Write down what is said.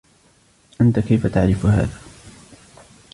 أنتَ كيف تعرف هذا؟